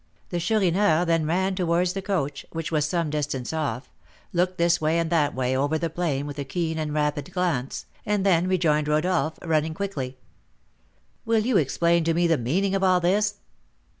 The Chourineur then ran towards the coach, which was some distance off, looked this way and that way over the plain with a keen and rapid glance, and then rejoined Rodolph, running quickly. "Will you explain to me the meaning of all this?"